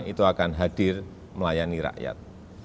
itu akan hadir melayani rakyat